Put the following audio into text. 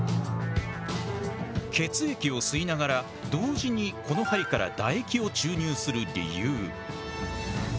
血液を吸いながら同時にこの針から唾液を注入する理由。